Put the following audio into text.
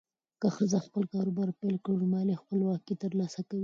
که ښځه خپل کاروبار پیل کړي، نو مالي خپلواکي ترلاسه کوي.